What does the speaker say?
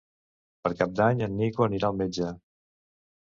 Per Cap d'Any en Nico anirà al metge.